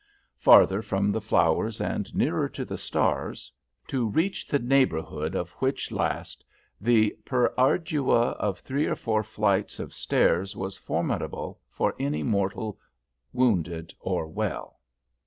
Farther from the flowers and nearer to the stars, to reach the neighborhood of which last the per ardua of three or four flights of stairs was formidable for any mortal, wounded or well.